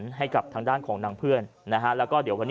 ชาวบ้านญาติโปรดแค้นไปดูภาพบรรยากาศขณะ